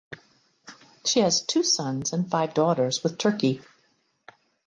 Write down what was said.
She has two sons and five daughters with Turki.